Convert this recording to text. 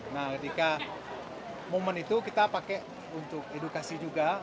nah ketika momen itu kita pakai untuk edukasi juga